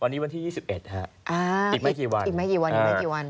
วันนี้วันที่๒๑อีกไม่กี่วัน